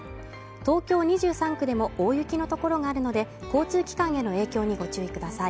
東京２３区でも大雪のところがあるので交通機関への影響にご注意ください